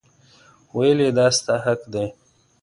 ویل یې دا ستا حق دی.